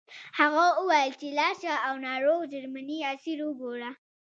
هغه وویل چې لاړ شه او ناروغ جرمنی اسیر وګوره